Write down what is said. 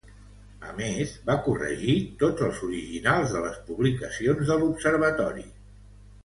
A més, va corregir tots els originals de les publicacions de l'observatori.